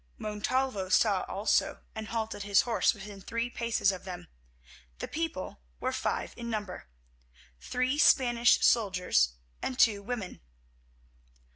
Montalvo saw also, and halted his horse within three paces of them. The people were five in number, three Spanish soldiers and two women.